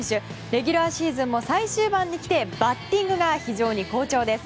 レギュラーシーズンも最終盤に来てバッティングが非常に好調です。